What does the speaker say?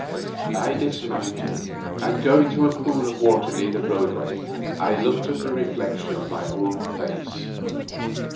I dismounted, and going to a pool of water near the roadway I looked at the reflection of my own face.